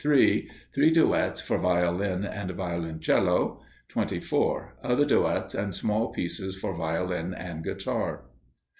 Three Duetts, for Violin and Violoncello. 24. Other Duetts and small Pieces for Violin and Guitar.